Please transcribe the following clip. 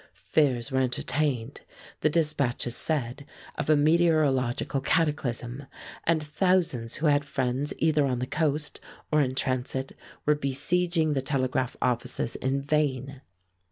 Fears were entertained, the dispatches said, of a "meteorological cataclysm," and thousands who had friends either on the coast or in transit were besieging the telegraph offices in vain.